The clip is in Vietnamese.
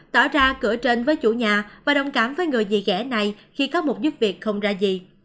tỏ ra cửa trên với chủ nhà và đồng cảm với người gì ghẻ này khi có một giúp việc không ra gì